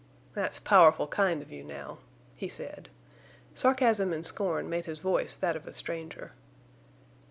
"That's powerful kind of you, now," he said. Sarcasm and scorn made his voice that of a stranger.